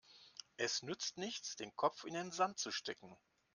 Es nützt nichts, den Kopf in den Sand zu stecken.